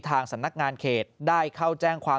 ทางสำนักงานเขตได้เข้าแจ้งความ